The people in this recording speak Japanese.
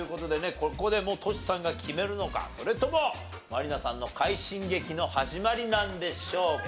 ここでもうとしさんが決めるのかそれとも満里奈さんの快進撃の始まりなんでしょうか。